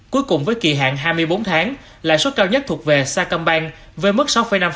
cuối cùng với kỳ hạn hai mươi bốn tháng lãi suất cao nhất thuộc về sacombank với mức sáu năm